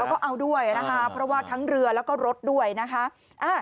แล้วก็เอาด้วยนะคะเพราะว่าทั้งเรือแล้วก็รถด้วยนะคะ